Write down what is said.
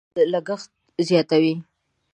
دغه مقررات د تولید لګښت زیاتوي.